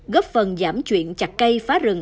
góp phần giảm chuyện chặt cây phá rừng